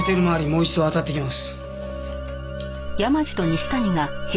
もう一度当たってきます。